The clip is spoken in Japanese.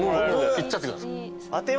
いっちゃってください。